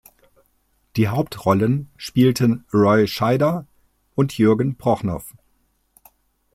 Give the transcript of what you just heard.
Die Hauptrollen spielten Roy Scheider und Jürgen Prochnow.